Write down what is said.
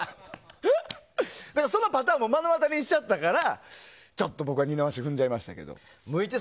そのパターンも目の当たりにしちゃったからちょっと僕は二の足踏んじゃいましたけど。